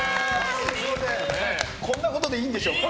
こんなことでいいんでしょうか？